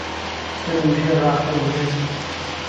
سەر و ژێر راخەری من